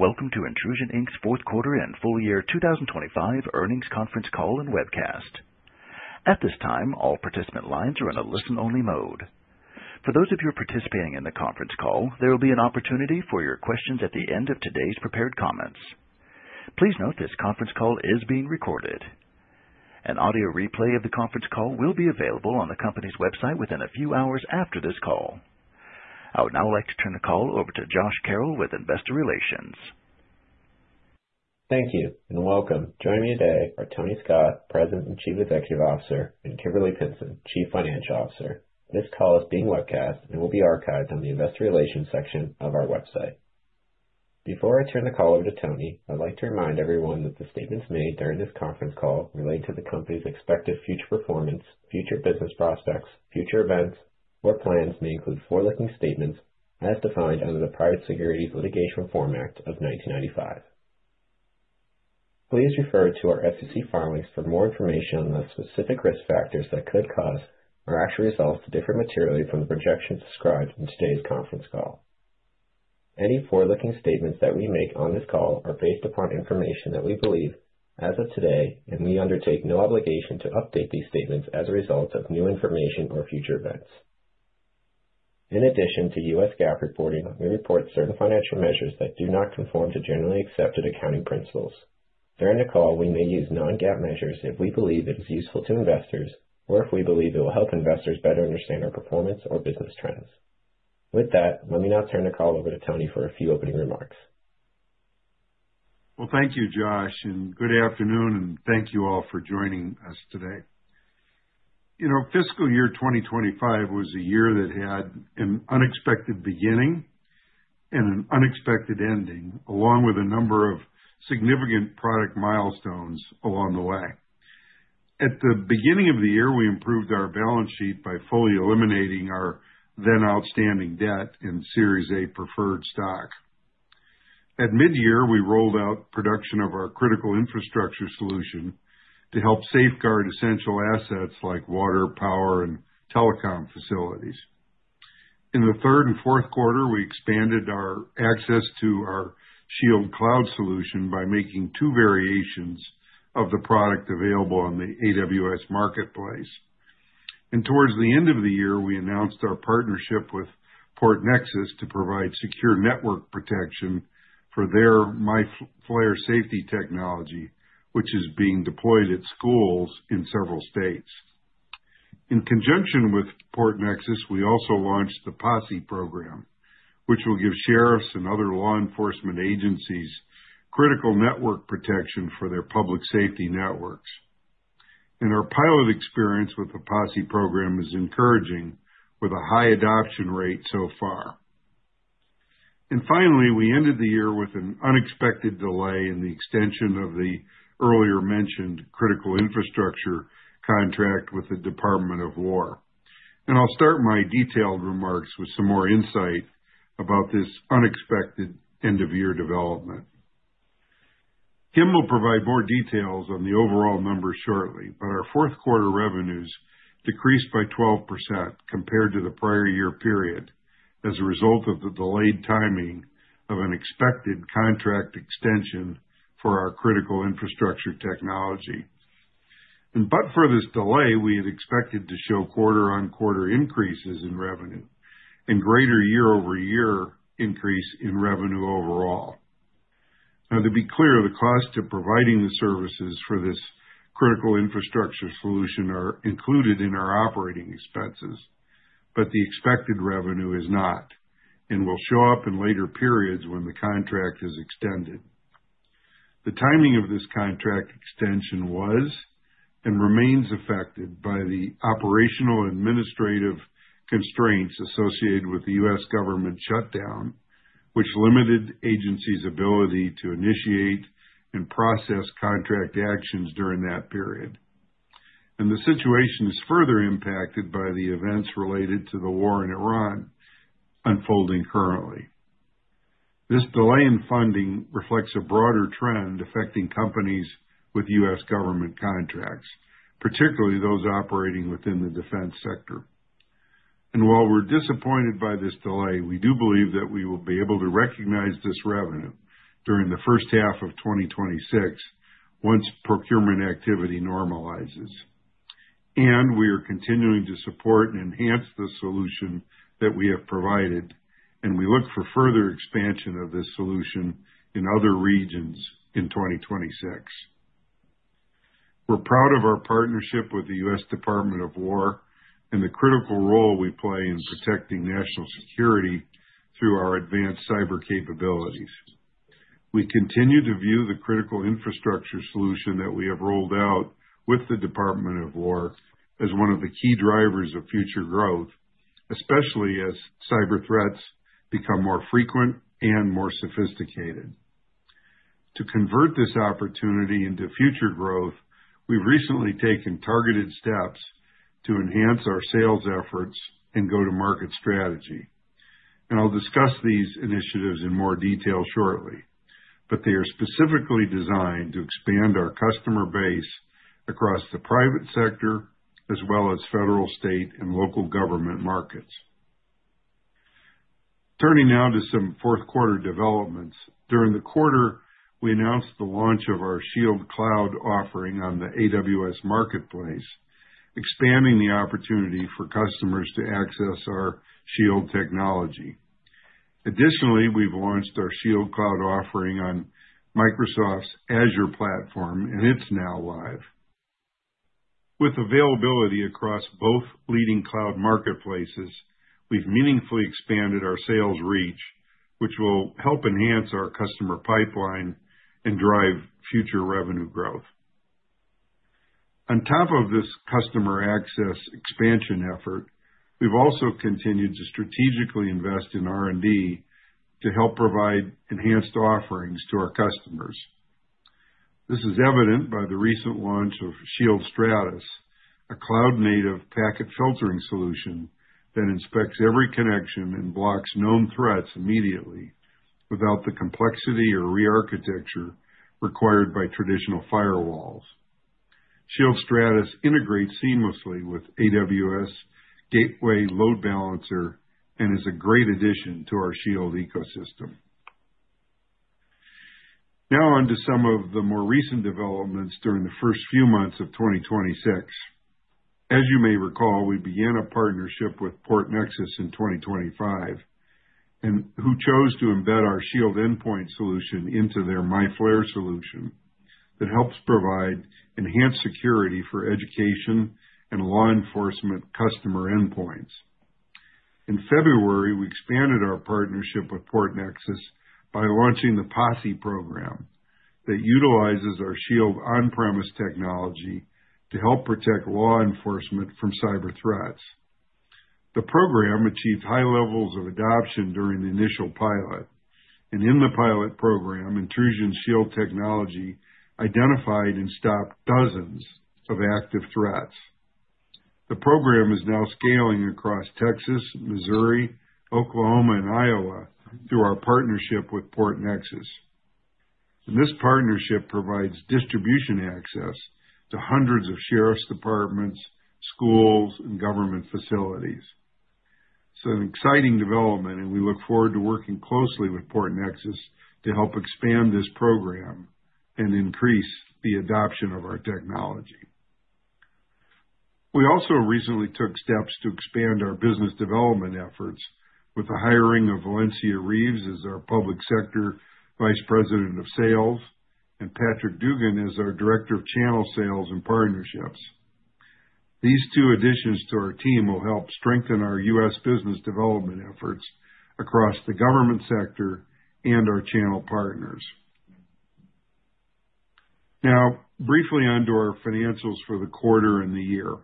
Welcome to Intrusion Inc.'s fourth quarter and full year 2025 earnings conference call and webcast. At this time, all participant lines are in a listen-only mode. For those of you participating in the conference call, there will be an opportunity for your questions at the end of today's prepared comments. Please note this conference call is being recorded. An audio replay of the conference call will be available on the company's website within a few hours after this call. I would now like to turn the call over to Josh Carroll with Investor Relations. Thank you, and welcome. Joining me today are Tony Scott, President and Chief Executive Officer, and Kimberly Pinson, Chief Financial Officer. This call is being webcast and will be archived on the investor relations section of our website. Before I turn the call over to Tony, I'd like to remind everyone that the statements made during this conference call relating to the company's expected future performance, future business prospects, future events, or plans may include forward-looking statements as defined under the Private Securities Litigation Reform Act of 1995. Please refer to our SEC filings for more information on the specific risk factors that could cause our actual results to differ materially from the projections described in today's conference call. Any forward-looking statements that we make on this call are based upon information that we believe as of today, and we undertake no obligation to update these statements as a result of new information or future events. In addition to U.S. GAAP reporting, we report certain financial measures that do not conform to generally accepted accounting principles. During the call, we may use non-GAAP measures if we believe it is useful to investors or if we believe it will help investors better understand our performance or business trends. With that, let me now turn the call over to Tony for a few opening remarks. Well, thank you, Josh, and good afternoon, and thank you all for joining us today. You know, fiscal year 2025 was a year that had an unexpected beginning and an unexpected ending, along with a number of significant product milestones along the way. At the beginning of the year, we improved our balance sheet by fully eliminating our then outstanding debt in Series A Preferred Stock. At mid-year, we rolled out production of our critical infrastructure solution to help safeguard essential assets like water, power, and telecom facilities. In the third and fourth quarter, we expanded our access to our Shield Cloud solution by making two variations of the product available on the AWS Marketplace. Towards the end of the year, we announced our partnership with PortNexus to provide secure network protection for their MyFlare Alert safety technology, which is being deployed at schools in several states. In conjunction with PortNexus, we also launched the P.O.S.S.E. program, which will give sheriffs and other law enforcement agencies critical network protection for their public safety networks. Our pilot experience with the P.O.S.S.E. program is encouraging, with a high adoption rate so far. Finally, we ended the year with an unexpected delay in the extension of the earlier-mentioned critical infrastructure contract with the U.S. Department of War. I'll start my detailed remarks with some more insight about this unexpected end-of-year development. Kim will provide more details on the overall numbers shortly, but our fourth quarter revenues decreased by 12% compared to the prior year period as a result of the delayed timing of an expected contract extension for our critical infrastructure technology. But for this delay, we had expected to show quarter-on-quarter increases in revenue and greater year-over-year increase in revenue overall. Now, to be clear, the cost to providing the services for this critical infrastructure solution are included in our operating expenses, but the expected revenue is not, and will show up in later periods when the contract is extended. The timing of this contract extension was and remains affected by the operational administrative constraints associated with the U.S. government shutdown, which limited agencies' ability to initiate and process contract actions during that period. The situation is further impacted by the events related to the war in Iran unfolding currently. This delay in funding reflects a broader trend affecting companies with U.S. government contracts, particularly those operating within the defense sector. While we're disappointed by this delay, we do believe that we will be able to recognize this revenue during the first half of 2026 once procurement activity normalizes. We are continuing to support and enhance the solution that we have provided, and we look for further expansion of this solution in other regions in 2026. We're proud of our partnership with the U.S. Department of War and the critical role we play in protecting national security through our advanced cyber capabilities. We continue to view the critical infrastructure solution that we have rolled out with the Department of War as one of the key drivers of future growth, especially as cyber threats become more frequent and more sophisticated. To convert this opportunity into future growth, we've recently taken targeted steps to enhance our sales efforts and go-to-market strategy, and I'll discuss these initiatives in more detail shortly. They are specifically designed to expand our customer base across the private sector, as well as federal, state, and local government markets. Turning now to some fourth quarter developments. During the quarter, we announced the launch of our Shield Cloud offering on the AWS Marketplace, expanding the opportunity for customers to access our Shield technology. Additionally, we've launched our Shield Cloud offering on Microsoft's Azure platform, and it's now live. With availability across both leading cloud marketplaces, we've meaningfully expanded our sales reach, which will help enhance our customer pipeline and drive future revenue growth. On top of this customer access expansion effort, we've also continued to strategically invest in R&D to help provide enhanced offerings to our customers. This is evident by the recent launch of Shield Stratus, a cloud-native packet filtering solution that inspects every connection and blocks known threats immediately without the complexity or re-architecture required by traditional firewalls. Shield Stratus integrates seamlessly with AWS Gateway Load Balancer and is a great addition to our Shield ecosystem. Now on to some of the more recent developments during the first few months of 2026. As you may recall, we began a partnership with PortNexus in 2025, and who chose to embed our Shield Endpoint solution into their MyFlare solution that helps provide enhanced security for education and law enforcement customer endpoints. In February, we expanded our partnership with PortNexus by launching the P.O.S.S.E. program that utilizes our Shield on-premise technology to help protect law enforcement from cyber threats. The program achieved high levels of adoption during the initial pilot, and in the pilot program, Intrusion Shield technology identified and stopped dozens of active threats. The program is now scaling across Texas, Missouri, Oklahoma, and Iowa through our partnership with PortNexus. This partnership provides distribution access to hundreds of sheriff's departments, schools, and government facilities. It's an exciting development, and we look forward to working closely with PortNexus to help expand this program and increase the adoption of our technology. We also recently took steps to expand our business development efforts with the hiring of Valencia Reaves as our Public Sector Vice President of Sales, and Patrick Duggan as our Director of Channel Sales and Partnerships. These two additions to our team will help strengthen our U.S. business development efforts across the government sector and our channel partners. Now, briefly on to our financials for the quarter and the year.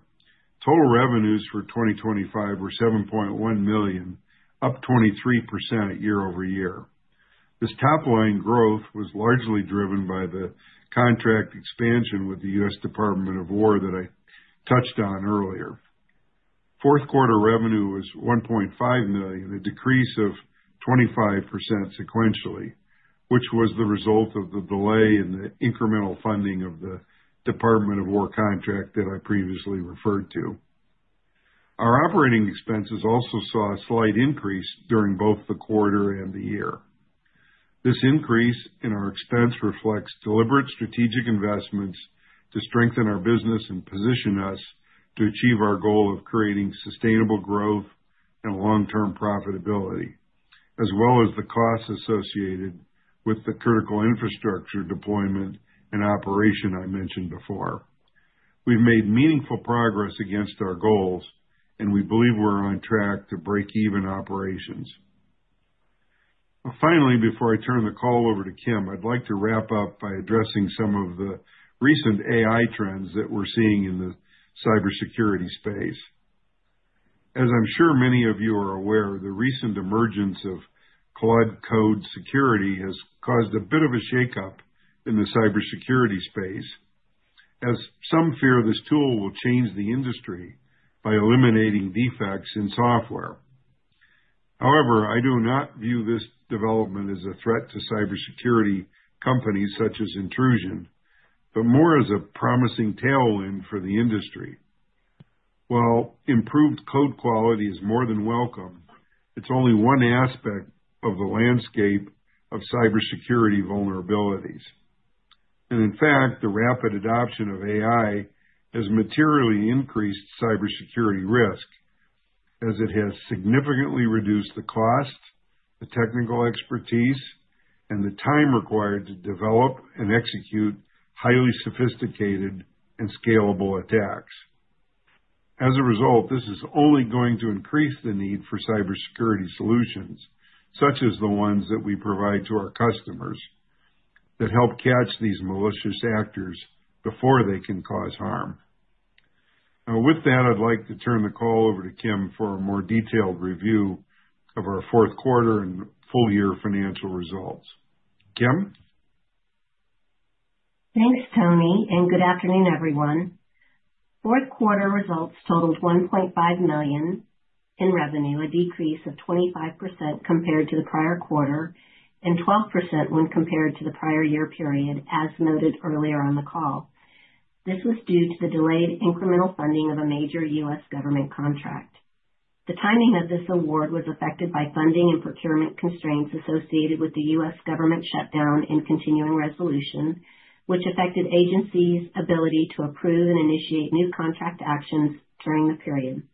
Total revenues for 2025 were $7.1 million, up 23% year-over-year. This top line growth was largely driven by the contract expansion with the U.S. Department of War that I touched on earlier. Fourth quarter revenue was $1.5 million, a decrease of 25% sequentially, which was the result of the delay in the incremental funding of the Department of War contract that I previously referred to. Our operating expenses also saw a slight increase during both the quarter and the year. This increase in our expense reflects deliberate strategic investments to strengthen our business and position us to achieve our goal of creating sustainable growth and long-term profitability, as well as the costs associated with the critical infrastructure deployment and operation I mentioned before. We've made meaningful progress against our goals, and we believe we're on track to break even operations. Finally, before I turn the call over to Kim, I'd like to wrap up by addressing some of the recent AI trends that we're seeing in the cybersecurity space. As I'm sure many of you are aware, the recent emergence of Cloud Code Security has caused a bit of a shakeup in the cybersecurity space, as some fear this tool will change the industry by eliminating defects in software. However, I do not view this development as a threat to cybersecurity companies such as Intrusion, but more as a promising tailwind for the industry. While improved code quality is more than welcome, it's only one aspect of the landscape of cybersecurity vulnerabilities. In fact, the rapid adoption of AI has materially increased cybersecurity risk as it has significantly reduced the cost, the technical expertise, and the time required to develop and execute highly sophisticated and scalable attacks. As a result, this is only going to increase the need for cybersecurity solutions, such as the ones that we provide to our customers, that help catch these malicious actors before they can cause harm. Now, with that, I'd like to turn the call over to Kim for a more detailed review of our fourth quarter and full-year financial results. Kim? Thanks, Tony, and good afternoon, everyone. Fourth quarter results totaled $1.5 million in revenue, a decrease of 25% compared to the prior quarter and 12% when compared to the prior year period, as noted earlier on the call. This was due to the delayed incremental funding of a major U.S. government contract. The timing of this award was affected by funding and procurement constraints associated with the U.S. government shutdown and continuing resolution, which affected agencies' ability to approve and initiate new contract actions during the period.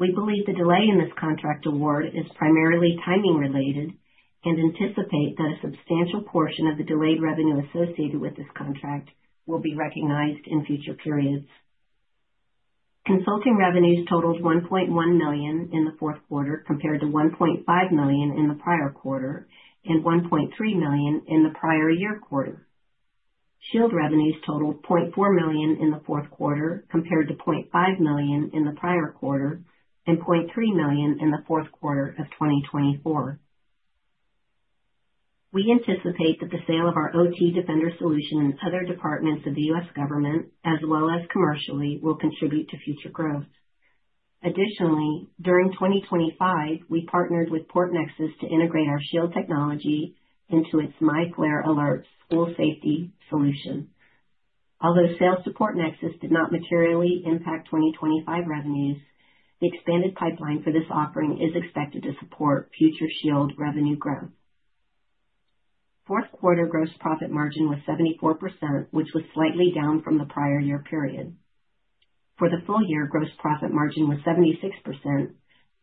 We believe the delay in this contract award is primarily timing related and anticipate that a substantial portion of the delayed revenue associated with this contract will be recognized in future periods. Consulting revenues totaled $1.1 million in the fourth quarter, compared to $1.5 million in the prior quarter and $1.3 million in the prior year quarter. Shield revenues totaled $0.4 million in the fourth quarter, compared to $0.5 million in the prior quarter and $0.3 million in the fourth quarter of 2024. We anticipate that the sale of our OT Defender solution in other departments of the U.S. government, as well as commercially, will contribute to future growth. Additionally, during 2025, we partnered with PortNexus to integrate our Shield technology into its MyFlare Alert school safety solution. Although sales to PortNexus did not materially impact 2025 revenues, the expanded pipeline for this offering is expected to support future Shield revenue growth. Fourth quarter gross profit margin was 74%, which was slightly down from the prior year period. For the full year, gross profit margin was 76%,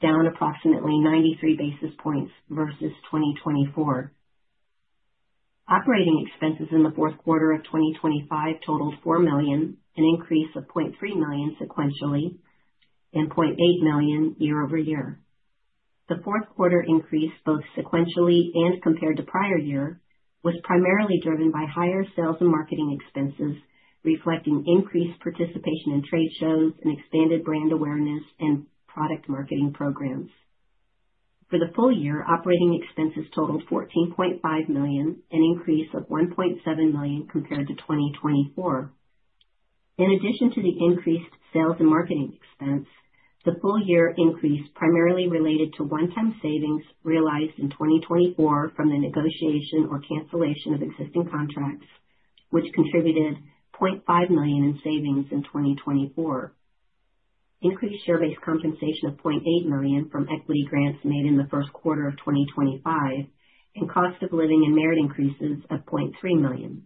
down approximately 93 basis points versus 2024. Operating expenses in the fourth quarter of 2025 totaled $4 million, an increase of $0.3 million sequentially and $0.8 million year-over-year. The fourth quarter increase, both sequentially and compared to prior year, was primarily driven by higher sales and marketing expenses, reflecting increased participation in trade shows and expanded brand awareness and product marketing programs. For the full year, operating expenses totaled $14.5 million, an increase of $1.7 million compared to 2024. In addition to the increased sales and marketing expense, the full year increase primarily related to one-time savings realized in 2024 from the negotiation or cancellation of existing contracts, which contributed $0.5 million in savings in 2024. Increased share-based compensation of $0.8 million from equity grants made in the first quarter of 2025 and cost of living and merit increases of $0.3 million.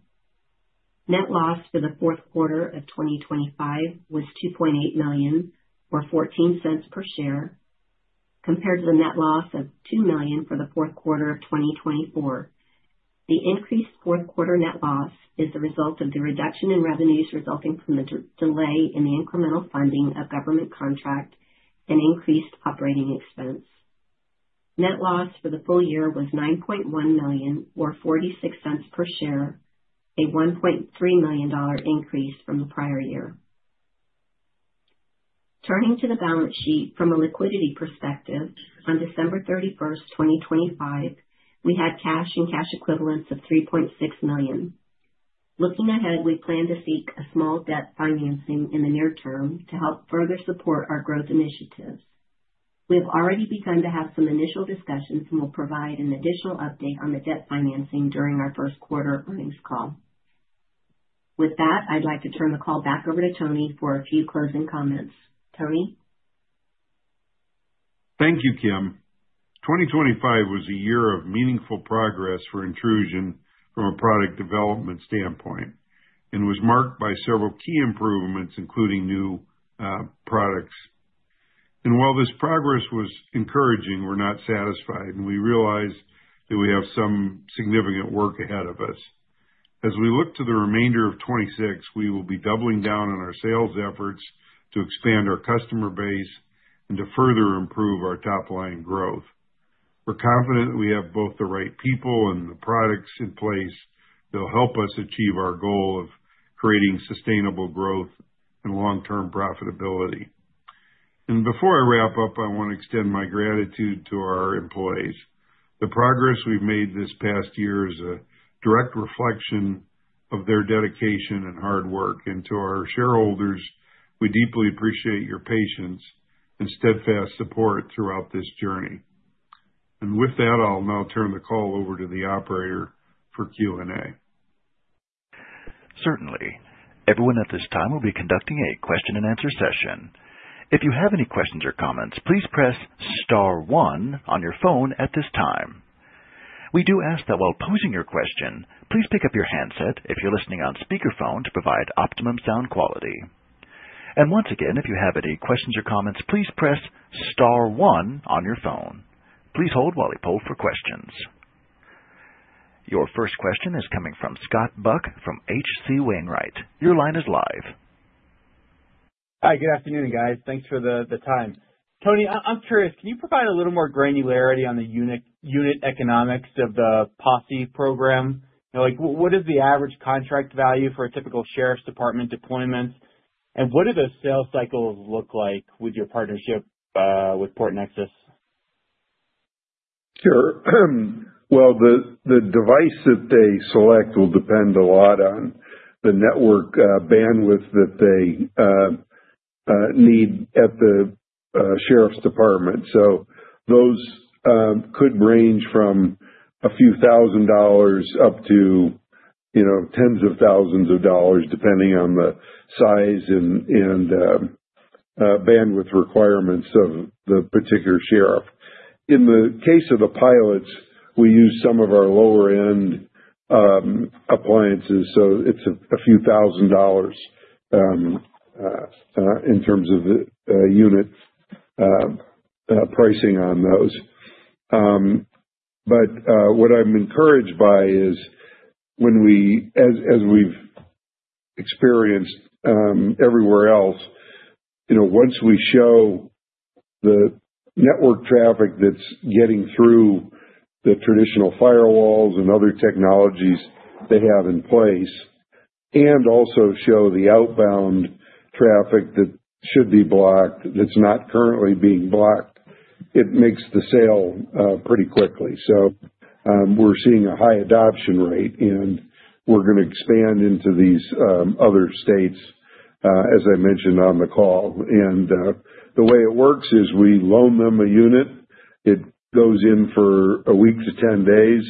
Net loss for the fourth quarter of 2025 was $2.8 million, or $0.14 per share, compared to the net loss of $2 million for the fourth quarter of 2024. The increased fourth quarter net loss is the result of the reduction in revenues resulting from the delay in the incremental funding of government contract and increased operating expense. Net loss for the full year was $9.1 million or $0.46 per share, a $1.3 million increase from the prior year. Turning to the balance sheet from a liquidity perspective, on December 31, 2025, we had cash and cash equivalents of $3.6 million. Looking ahead, we plan to seek a small debt financing in the near term to help further support our growth initiatives. We have already begun to have some initial discussions and will provide an additional update on the debt financing during our first quarter earnings call. With that, I'd like to turn the call back over to Tony for a few closing comments. Tony? Thank you, Kim. 2025 was a year of meaningful progress for Intrusion from a product development standpoint and was marked by several key improvements, including new products. While this progress was encouraging, we're not satisfied, and we realize that we have some significant work ahead of us. As we look to the remainder of 2026, we will be doubling down on our sales efforts to expand our customer base and to further improve our top-line growth. We're confident we have both the right people and the products in place that will help us achieve our goal of creating sustainable growth and long-term profitability. Before I wrap up, I want to extend my gratitude to our employees. The progress we've made this past year is a direct reflection of their dedication and hard work. To our shareholders, we deeply appreciate your patience and steadfast support throughout this journey. With that, I'll now turn the call over to the operator for Q&A. Certainly. Everyone at this time will be conducting a question and answer session. If you have any questions or comments, please press star one on your phone at this time. We do ask that while posing your question, please pick up your handset if you're listening on speakerphone to provide optimum sound quality. Once again, if you have any questions or comments, please press star one on your phone. Please hold while we poll for questions. Your first question is coming from Scott Buck from H.C. Wainwright. Your line is live. Hi. Good afternoon, guys. Thanks for the time. Tony, I'm curious, can you provide a little more granularity on the unit economics of the [P.O.S.S.E.] program? You know, like what is the average contract value for a typical sheriff's department deployment, and what do the sales cycles look like with your partnership with PortNexus? Sure. Well, the device that they select will depend a lot on the network bandwidth that they need at the sheriff's department. Those could range from a few thousand dollars up to, you know, tens of thousands of dollars depending on the size and bandwidth requirements of the particular sheriff. In the case of the pilots, we use some of our lower-end appliances, so it's a few thousand dollars in terms of the units pricing on those. What I'm encouraged by is as we've experienced everywhere else, you know, once we show the network traffic that's getting through the traditional firewalls and other technologies they have in place, and also show the outbound traffic that should be blocked that's not currently being blocked, it makes the sale pretty quickly. We're seeing a high adoption rate, and we're gonna expand into these other states as I mentioned on the call. The way it works is we loan them a unit, it goes in for a week to 10 days,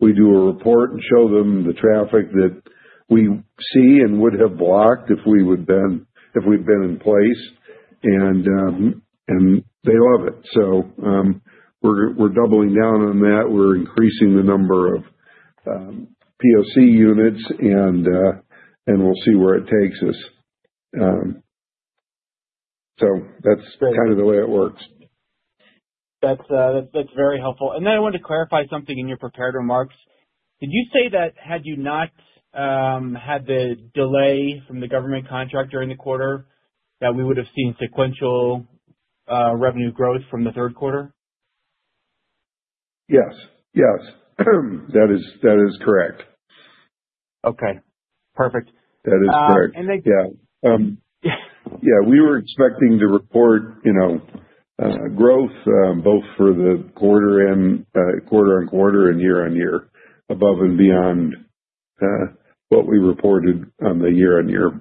we do a report and show them the traffic that we see and would have blocked if we'd been in place, and they love it. We're doubling down on that. We're increasing the number of POC units and we'll see where it takes us. That's kind of the way it works. That's very helpful. Then I wanted to clarify something in your prepared remarks. Did you say that had you not had the delay from the government contract during the quarter, that we would have seen sequential revenue growth from the third quarter? Yes. That is correct. Okay. Perfect. That is correct. Um, and then— Yeah, we were expecting to report, you know, growth both for the quarter and quarter-over-quarter and year-over-year above and beyond what we reported on the year-over-year.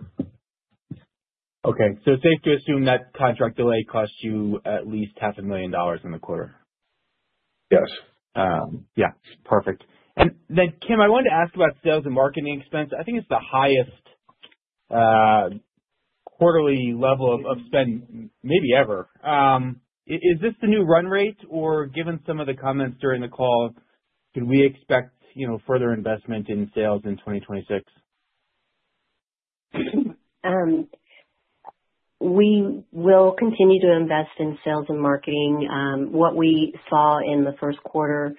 Okay. Safe to assume that contract delay cost you at least $500,000 in the quarter? Yes. Perfect. Kim, I wanted to ask about sales and marketing expense. I think it's the highest quarterly level of spend maybe ever. Is this the new run rate? Or given some of the comments during the call, can we expect, you know, further investment in sales in 2026? We will continue to invest in sales and marketing. What we saw in the first quarter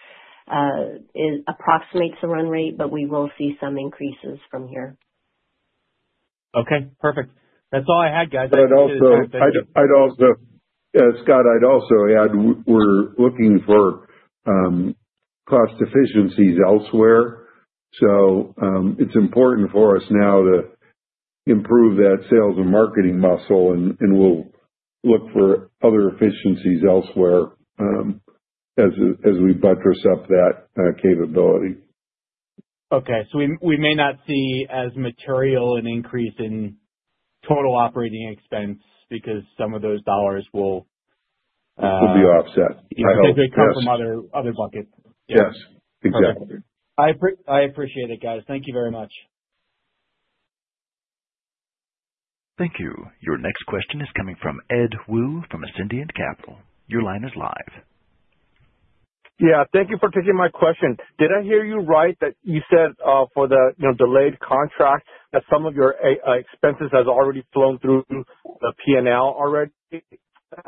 approximates the run rate, but we will see some increases from here. Okay. Perfect. That's all I had, guys. I appreciate it. Scott, I'd also add we're looking for cost efficiencies elsewhere, so it's important for us now to improve that sales and marketing muscle and we'll look for other efficiencies elsewhere, as we buttress up that capability. Okay. We may not see as material an increase in total operating expense because some of those dollars will— Will be offset by. —because they come from other buckets. Yes. Exactly. I appreciate it, guys. Thank you very much. Thank you. Your next question is coming from Ed Woo from Ascendiant Capital. Your line is live. Yeah. Thank you for taking my question. Did I hear you right that you said for the, you know, delayed contract that some of your expenses has already flown through the PNL already? That,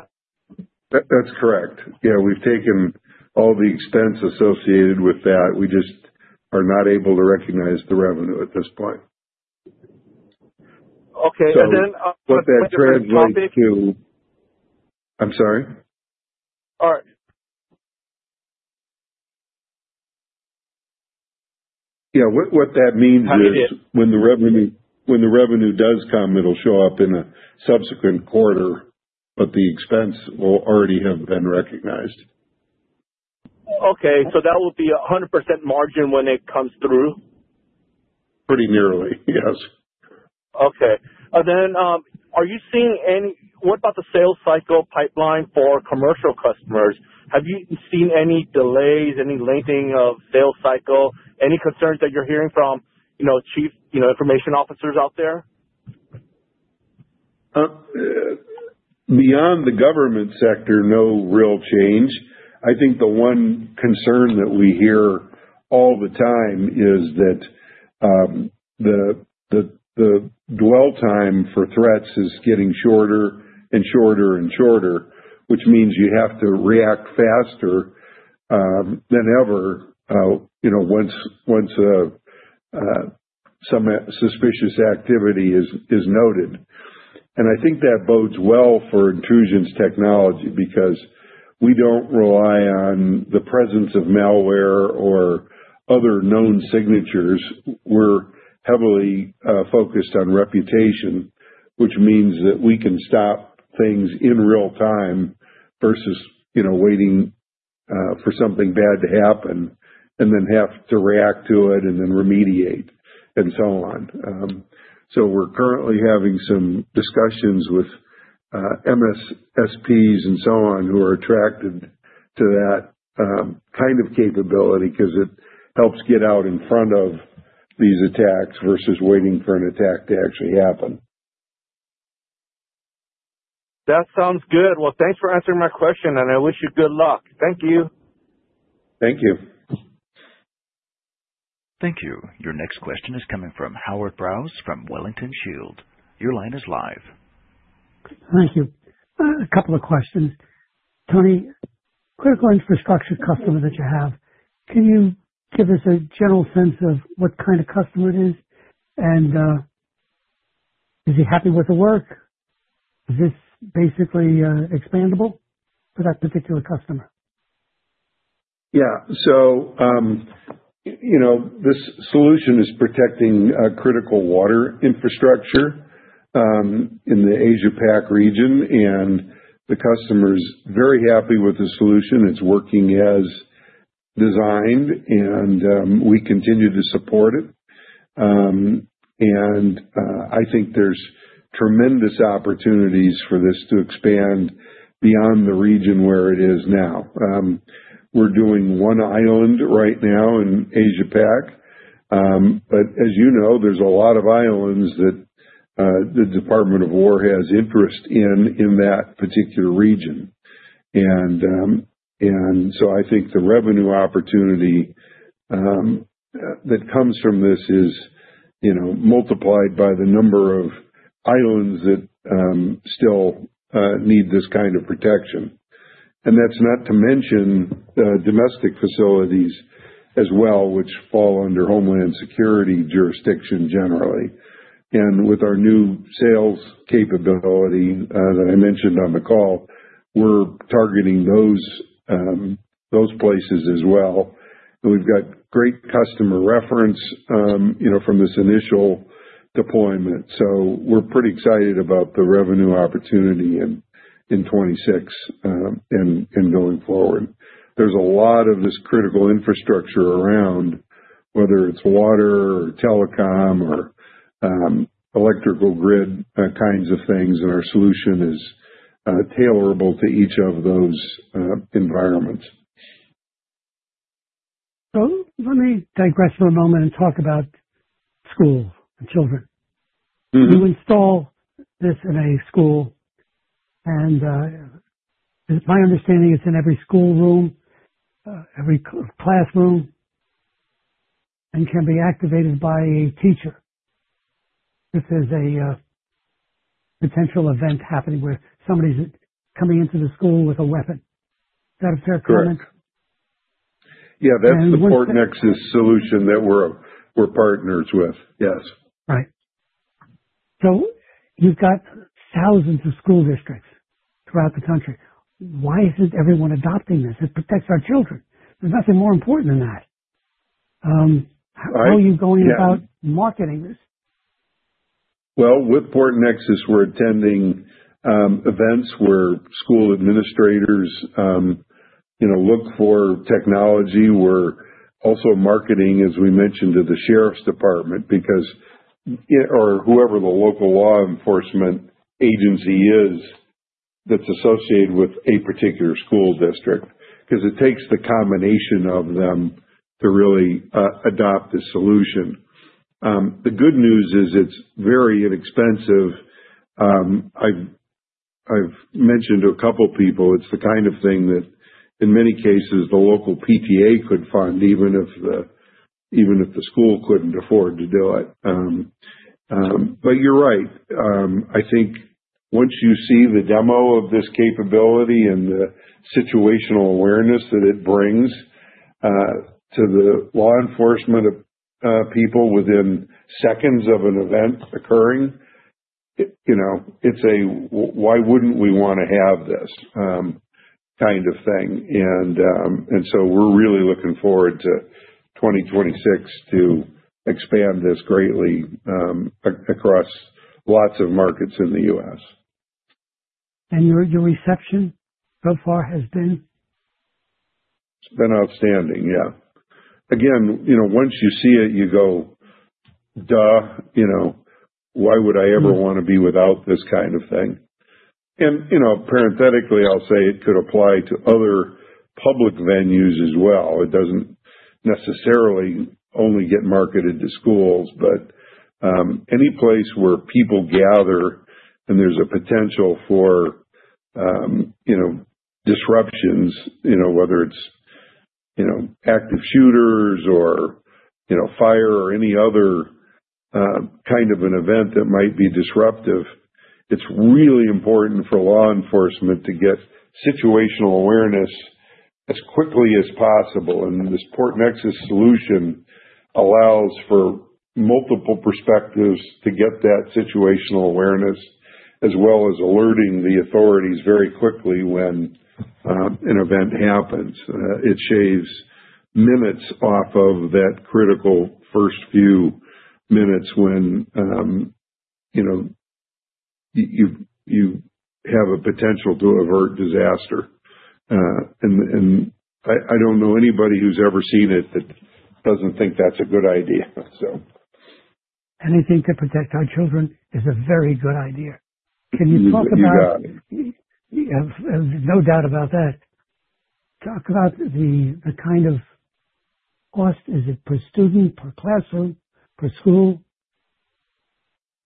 that's correct. Yeah. We've taken all the expense associated with that. We just are not able to recognize the revenue at this point. Okay. On a different topic— What that translates to. I'm sorry? All right. Yeah. What that means is— Understood. —when the revenue does come, it'll show up in a subsequent quarter, but the expense will already have been recognized. Okay. That will be 100% margin when it comes through? Pretty nearly, yes. Okay. What about the sales cycle pipeline for commercial customers? Have you seen any delays, any lengthening of sales cycle? Any concerns that you're hearing from, you know, chief, you know, information officers out there? Beyond the government sector, no real change. I think the one concern that we hear all the time is that the dwell time for threats is getting shorter and shorter and shorter, which means you have to react faster than ever, you know, once some suspicious activity is noted. I think that bodes well for Intrusion's technology because we don't rely on the presence of malware or other known signatures. We're heavily focused on reputation, which means that we can stop things in real time versus, you know, waiting for something bad to happen, and then have to react to it, and then remediate, and so on. We're currently having some discussions with MSSPs and so on, who are attracted to that kind of capability 'cause it helps get out in front of these attacks versus waiting for an attack to actually happen. That sounds good. Well, thanks for answering my question, and I wish you good luck. Thank you. Thank you. Thank you. Your next question is coming from Howard Brous from Wellington Shields. Your line is live. Thank you. A couple of questions. Tony, critical infrastructure customer that you have, can you give us a general sense of what kind of customer it is? Is he happy with the work? Is this basically expandable for that particular customer? Yeah. You know, this solution is protecting critical water infrastructure in the Asia PAC region, and the customer's very happy with the solution. It's working as designed, and we continue to support it. I think there's tremendous opportunities for this to expand beyond the region where it is now. We're doing one island right now in Asia PAC, but as you know, there's a lot of islands that the Department of War has interest in that particular region. I think the revenue opportunity that comes from this is, you know, multiplied by the number of islands that still need this kind of protection. That's not to mention the domestic facilities as well, which fall under Homeland Security jurisdiction generally. With our new sales capability that I mentioned on the call, we're targeting those places as well. We've got great customer reference, you know, from this initial deployment, so we're pretty excited about the revenue opportunity in 2026 and going forward. There's a lot of this critical infrastructure around, whether it's water or telecom or electrical grid kinds of things, and our solution is tailorable to each of those environments. Let me digress for a moment and talk about schools and children. Mm-hmm. You install this in a school, and it's my understanding it's in every classroom, and can be activated by a teacher if there's a potential event happening where somebody's coming into the school with a weapon. Is that a fair comment? Correct. Yeah. That's the PortNexus solution that we're partners with. Yes. Right. You've got thousands of school districts throughout the country. Why isn't everyone adopting this? It protects our children. There's nothing more important than that. All right. Yeah. How are you going about marketing this? Well, with PortNexus, we're attending events where school administrators, you know, look for technology. We're also marketing, as we mentioned, to the sheriff's department because or whoever the local law enforcement agency is that's associated with a particular school district, 'cause it takes the combination of them to really adopt the solution. The good news is it's very inexpensive. I've mentioned to a couple people it's the kind of thing that, in many cases, the local PTA could fund, even if the school couldn't afford to do it. But you're right. I think once you see the demo of this capability and the situational awareness that it brings to the law enforcement people within seconds of an event occurring, it, you know, it's a why wouldn't we wanna have this kind of thing. We're really looking forward to 2026 to expand this greatly across lots of markets in the U.S. Your reception so far has been? It's been outstanding, yeah. Again, you know, once you see it, you go, "Duh, you know, why would I ever wanna be without this kind of thing?" You know, parenthetically, I'll say it could apply to other public venues as well. It doesn't necessarily only get marketed to schools, but any place where people gather and there's a potential for you know, disruptions, you know, whether it's you know, active shooters or you know, fire or any other kind of an event that might be disruptive, it's really important for law enforcement to get situational awareness as quickly as possible, and this PortNexus solution allows for multiple perspectives to get that situational awareness, as well as alerting the authorities very quickly when an event happens. It shaves minutes off of that critical first few minutes when you have a potential to avert disaster. I don't know anybody who's ever seen it that doesn't think that's a good idea. Anything to protect our children is a very good idea. Can you talk about? You got it. No doubt about that. Talk about the kind of cost. Is it per student? Per classroom? Per school?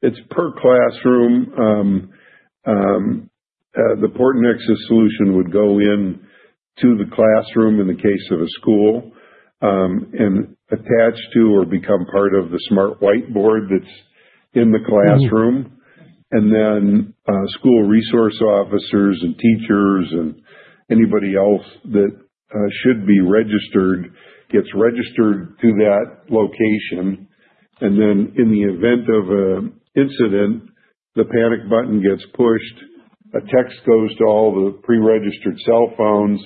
It's per classroom. The PortNexus solution would go into the classroom in the case of a school, and attach to or become part of the smart whiteboard that's in the classroom. Mm-hmm. School resource officers and teachers and anybody else that should be registered gets registered to that location. In the event of an incident, the panic button gets pushed, a text goes to all the preregistered cell phones.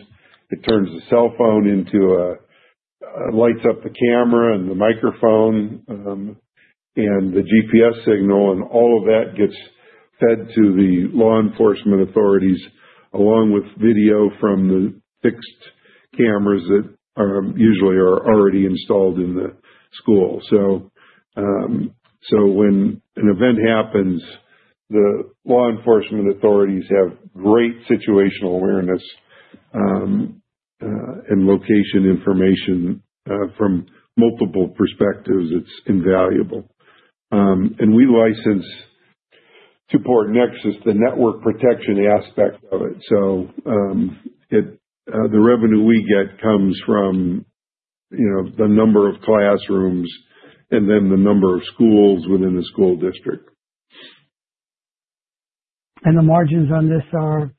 It turns the cell phone into a lights up the camera and the microphone, and the GPS signal, and all of that gets fed to the law enforcement authorities, along with video from the fixed cameras that usually are already installed in the school. When an event happens, the law enforcement authorities have great situational awareness, and location information from multiple perspectives. It's invaluable. We license to PortNexus the network protection aspect of it. The revenue we get comes from, you know, the number of classrooms and then the number of schools within the school district. The margins on this are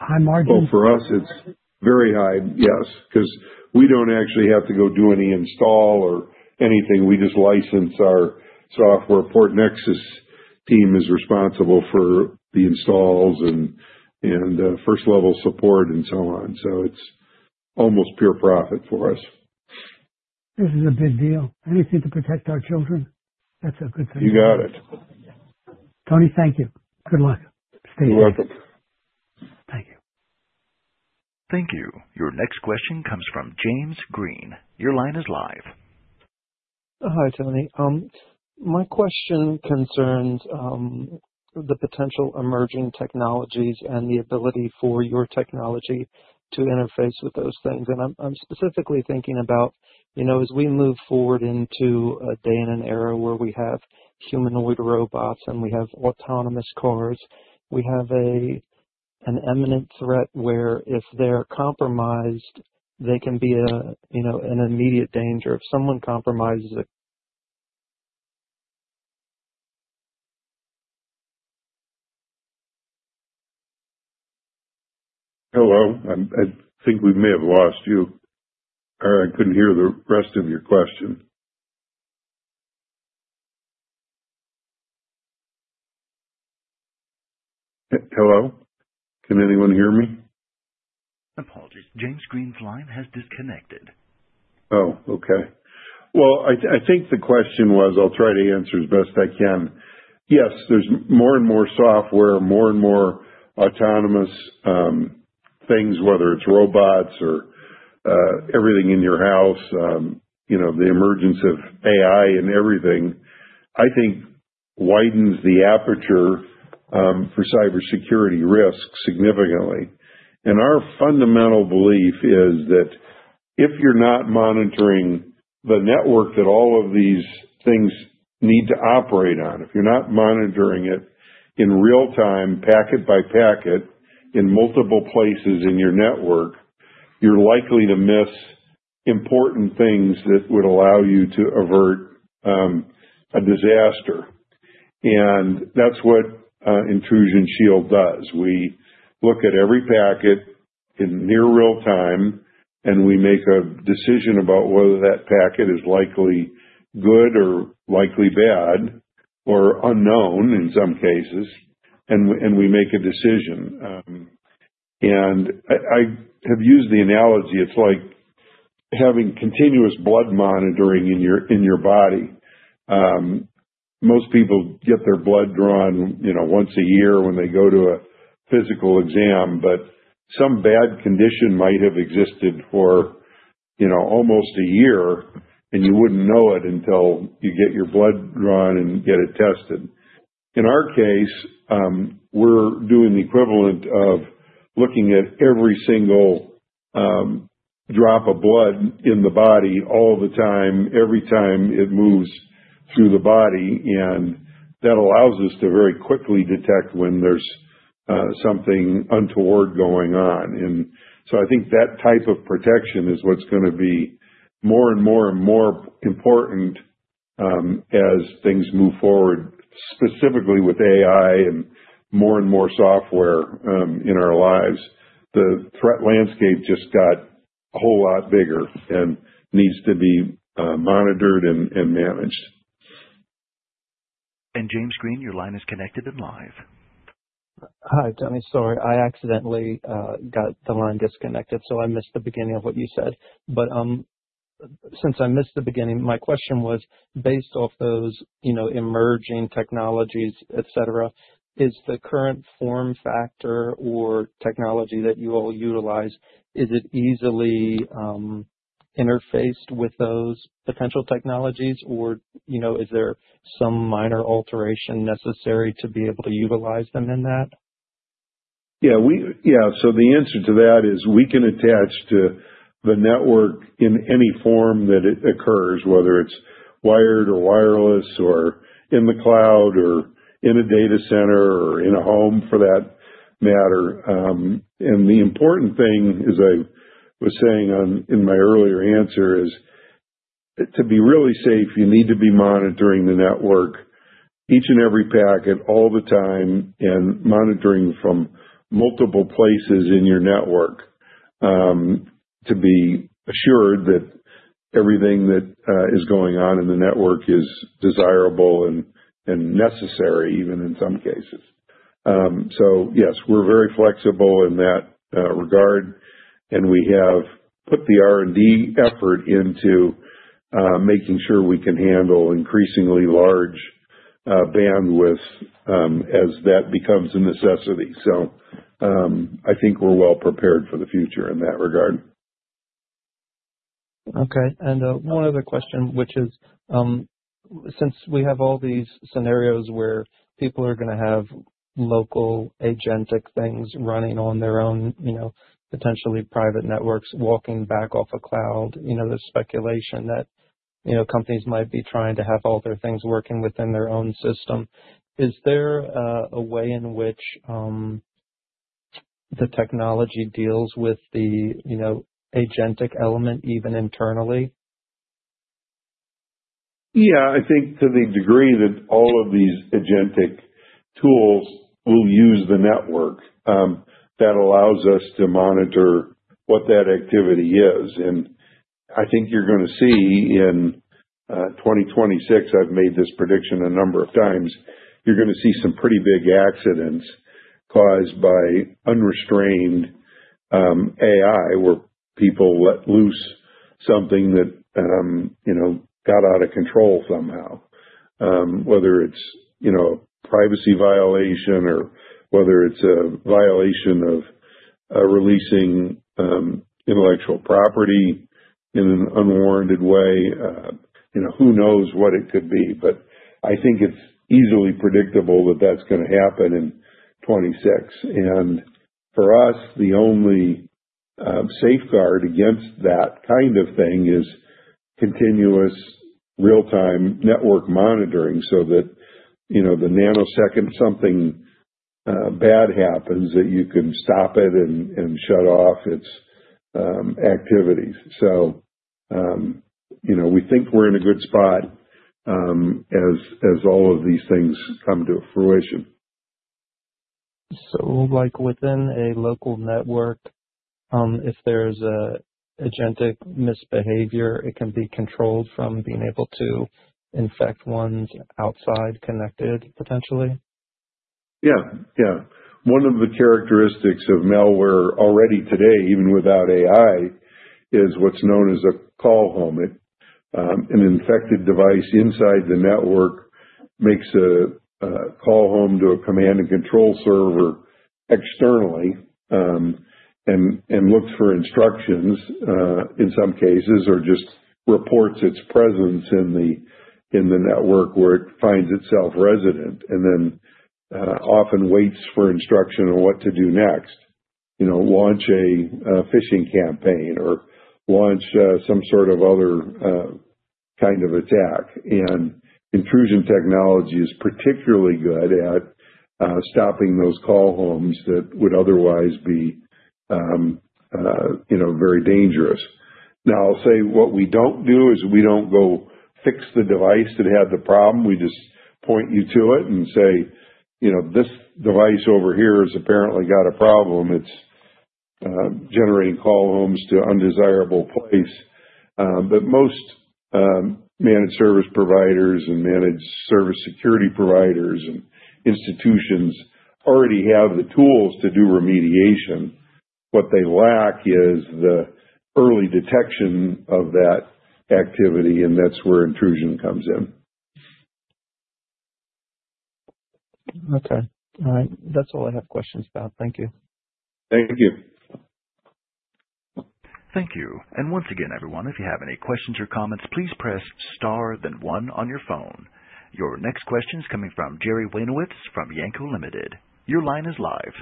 high margins? Well, for us, it's very high, yes. 'Cause we don't actually have to go do any install or anything. We just license our software. PortNexus team is responsible for the installs and first level support and so on. It's almost pure profit for us. This is a big deal. Anything to protect our children, that's a good thing. You got it. Tony, thank you. Good luck. You're welcome. Thank you. Thank you. Your next question comes from James Green. Your line is live. Hi, Tony. My question concerns the potential emerging technologies and the ability for your technology to interface with those things. I'm specifically thinking about, you know, as we move forward into a day and an era where we have humanoid robots and we have autonomous cars, we have an imminent threat where if they're compromised, they can be, you know, an immediate danger. If someone compromises a Hello? I think we may have lost you, or I couldn't hear the rest of your question. Hello? Can anyone hear me? Apologies. James Green's line has disconnected. Oh, okay. Well, I think the question was. I'll try to answer as best I can. Yes, there's more and more software, more and more autonomous things, whether it's robots or everything in your house, you know, the emergence of AI in everything, I think widens the aperture for cybersecurity risk significantly. Our fundamental belief is that if you're not monitoring the network that all of these things need to operate on, if you're not monitoring it in real time, packet by packet in multiple places in your network, you're likely to miss important things that would allow you to avert a disaster. That's what Intrusion Shield does. We look at every packet in near real time, and we make a decision about whether that packet is likely good or likely bad, or unknown in some cases, and we make a decision. I have used the analogy, it's like having continuous blood monitoring in your body. Most people get their blood drawn, you know, once a year when they go to a physical exam, but some bad condition might have existed for, you know, almost a year, and you wouldn't know it until you get your blood drawn and get it tested. In our case, we're doing the equivalent of looking at every single drop of blood in the body all the time, every time it moves through the body, and that allows us to very quickly detect when there's something untoward going on. I think that type of protection is what's gonna be more and more important, as things move forward, specifically with AI and more and more software in our lives. The threat landscape just got a whole lot bigger and needs to be monitored and managed. James Green, your line is connected and live. Hi, Tony. Sorry, I accidentally got the line disconnected, so I missed the beginning of what you said. Since I missed the beginning, my question was based off those, you know, emerging technologies, et cetera, is the current form factor or technology that you all utilize, is it easily interfaced with those potential technologies? Or, you know, is there some minor alteration necessary to be able to utilize them in that? Yeah, the answer to that is we can attach to the network in any form that it occurs, whether it's wired or wireless or in the cloud or in a data center or in a home, for that matter. The important thing, as I was saying in my earlier answer, is to be really safe. You need to be monitoring the network, each and every packet, all the time, and monitoring from multiple places in your network to be assured that everything that is going on in the network is desirable and necessary even in some cases. Yes, we're very flexible in that regard, and we have put the R&D effort into making sure we can handle increasingly large bandwidth as that becomes a necessity. I think we're well prepared for the future in that regard. Okay. One other question, which is, since we have all these scenarios where people are gonna have local agentic things running on their own, you know, potentially private networks, walking back off a cloud, you know, the speculation that, you know, companies might be trying to have all their things working within their own system, is there a way in which the technology deals with the, you know, agentic element even internally? Yeah. I think to the degree that all of these agentic tools will use the network, that allows us to monitor what that activity is. I think you're gonna see in 2026, I've made this prediction a number of times, you're gonna see some pretty big accidents caused by unrestrained AI, where people let loose something that you know got out of control somehow. Whether it's you know privacy violation or whether it's a violation of releasing intellectual property in an unwarranted way. You know, who knows what it could be. I think it's easily predictable that that's gonna happen in 2026. For us, the only safeguard against that kind of thing is continuous real-time network monitoring, so that, you know, the nanosecond something bad happens, that you can stop it and shut off its activities. You know, we think we're in a good spot, as all of these things come to fruition. Like, within a local network, if there's a agentic misbehavior, it can be controlled from being able to infect ones outside connected, potentially? Yeah. Yeah. One of the characteristics of malware already today, even without AI, is what's known as a call home. An infected device inside the network makes a call home to a command and control server externally, and looks for instructions in some cases, or just reports its presence in the network where it finds itself resident, and then often waits for instruction on what to do next. You know, launch a phishing campaign or launch some sort of other kind of attack. Intrusion technology is particularly good at stopping those call homes that would otherwise be you know, very dangerous. Now, I'll say what we don't do is we don't go fix the device that had the problem. We just point you to it and say, "You know, this device over here has apparently got a problem. It's generating call homes to undesirable place." Most managed service providers and managed service security providers and institutions already have the tools to do remediation. What they lack is the early detection of that activity, and that's where Intrusion comes in. Okay. All right. That's all I have questions about. Thank you. Thank you. Thank you. Once again, everyone, if you have any questions or comments, please press star then one on your phone. Your next question is coming from [Jerry Wainwright] from [Yanco Limited]. Your line is live.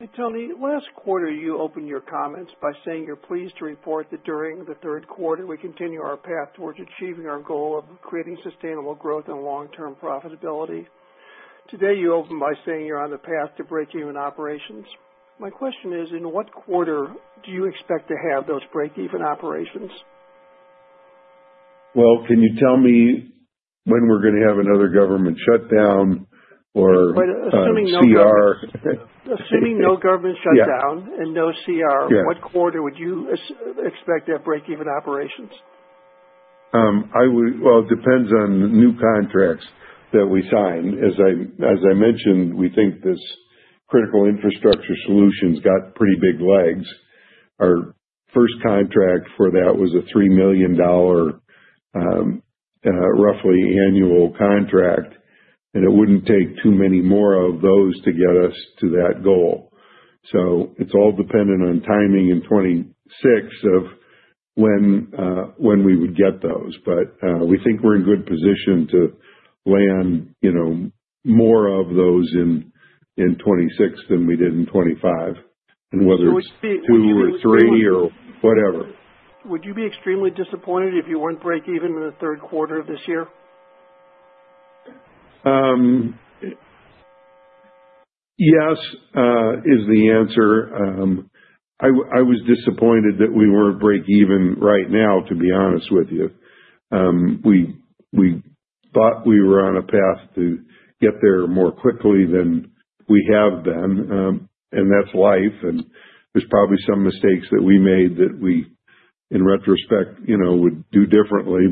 Hey, Tony. Last quarter, you opened your comments by saying you're pleased to report that during the third quarter, we continue our path towards achieving our goal of creating sustainable growth and long-term profitability. Today, you opened by saying you're on the path to break even operations. My question is, in what quarter do you expect to have those break even operations? Well, can you tell me when we're gonna have another government shutdown or CR? Assuming no government shutdown. Yeah. No CR. Yeah. What quarter would you expect to have break-even operations? Well, it depends on new contracts that we sign. As I mentioned, we think this critical infrastructure solution's got pretty big legs. Our first contract for that was a $3 million, roughly annual contract, and it wouldn't take too many more of those to get us to that goal. It's all dependent on timing in 2026 of when we would get those. We think we're in good position to land, you know, more of those in 2026 than we did in 2025, and whether it's two or three or whatever. Would you be extremely disappointed if you weren't breakeven in the third quarter of this year? Yes is the answer. I was disappointed that we weren't break-even right now, to be honest with you. We thought we were on a path to get there more quickly than we have been. That's life, and there's probably some mistakes that we made that we, in retrospect, you know, would do differently.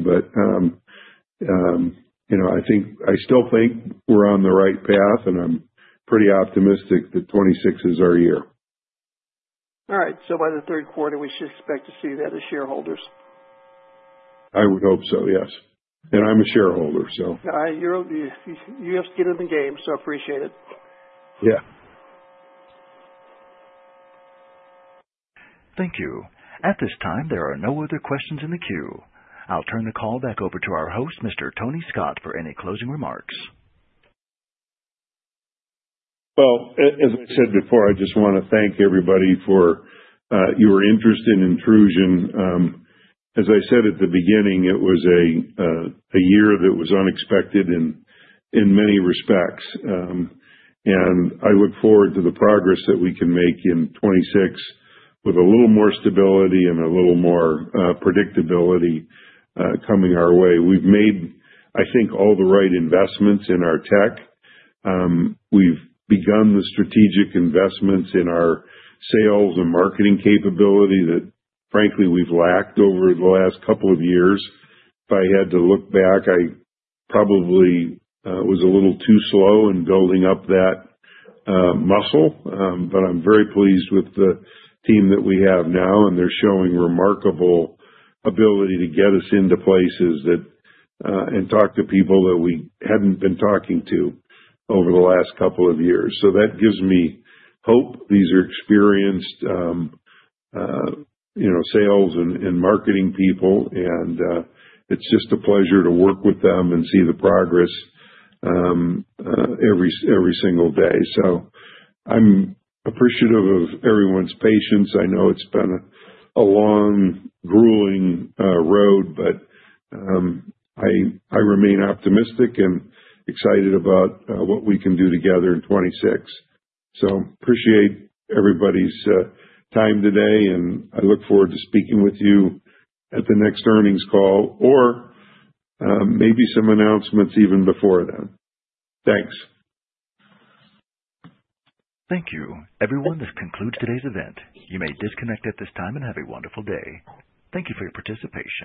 You know, I still think we're on the right path, and I'm pretty optimistic that 2026 is our year. All right. By the third quarter, we should expect to see that as shareholders. I would hope so, yes. I'm a shareholder, so. You have skin in the game, so I appreciate it. Yeah. Thank you. At this time, there are no other questions in the queue. I'll turn the call back over to our host, Mr. Tony Scott, for any closing remarks. Well, as I said before, I just wanna thank everybody for your interest in Intrusion. As I said at the beginning, it was a year that was unexpected in many respects. I look forward to the progress that we can make in 2026 with a little more stability and a little more predictability coming our way. We've made, I think, all the right investments in our tech. We've begun the strategic investments in our sales and marketing capability that, frankly, we've lacked over the last couple of years. If I had to look back, I probably was a little too slow in building up that muscle. I'm very pleased with the team that we have now, and they're showing remarkable ability to get us into places that and talk to people that we hadn't been talking to over the last couple of years. That gives me hope. These are experienced, you know, sales and marketing people and it's just a pleasure to work with them and see the progress every single day. I'm appreciative of everyone's patience. I know it's been a long, grueling road, but I remain optimistic and excited about what we can do together in 2026. I appreciate everybody's time today, and I look forward to speaking with you at the next earnings call or maybe some announcements even before then. Thanks. Thank you. Everyone, this concludes today's event. You may disconnect at this time and have a wonderful day. Thank you for your participation.